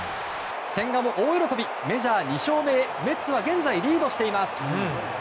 千賀も大喜び、メジャー２勝目へメッツは現在リードしています。